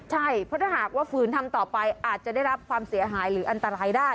ใช่เพราะถ้าหากว่าฝืนทำต่อไปอาจจะได้รับความเสียหายหรืออันตรายได้